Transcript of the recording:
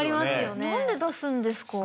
何で出すんですか？